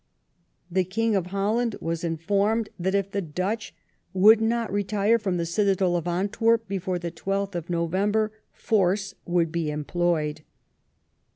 The King of Holland was informed that if the Dutch would not retire from the citadel of Antwerp before the 12th of November, force would be employed.